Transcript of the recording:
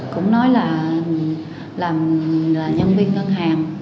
cũng nói là làm nhân viên ngân hàng